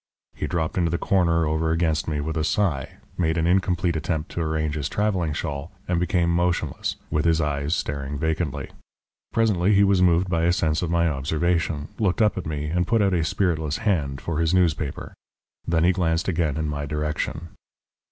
He dropped into the corner over against me with a sigh, made an incomplete attempt to arrange his travelling shawl, and became motionless, with his eyes staring vacantly. Presently he was moved by a sense of my observation, looked up at me, and put out a spiritless hand for his newspaper. Then he glanced again in my direction.